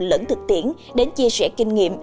lẫn thực tiễn đến chia sẻ kinh nghiệm